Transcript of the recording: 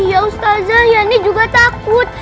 ya ustazah yani juga takut